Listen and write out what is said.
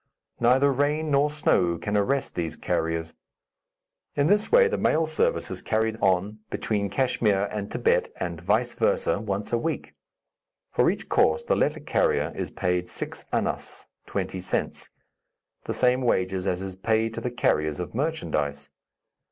Neither rain nor snow can arrest these carriers. In this way the mail service is carried on between Kachmyr and Thibet, and vice versa once a week. For each course the letter carrier is paid six annas (twenty cents); the same wages as is paid to the carriers of merchandise.